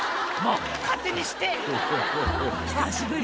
「もう勝手にして！」